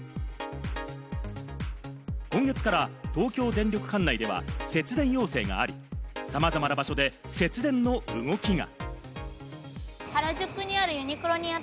今月から東京電力管内では節電要請があり、さまざまな場所で節電の動きが。